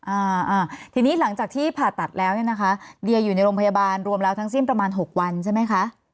อ่าอ่าทีนี้หลังจากที่ผ่าตัดแล้วเนี่ยนะคะเดียอยู่ในโรงพยาบาลรวมแล้วทั้งสิ้นประมาณหกวันใช่ไหมคะ